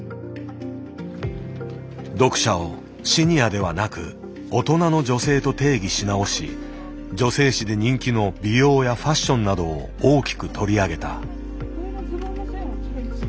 読者をシニアではなく「大人の女性」と定義し直し女性誌で人気の美容やファッションなどを大きく取り上げた。